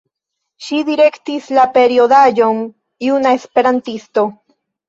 Ŝi direktis la periodaĵon „Juna Esperantisto“.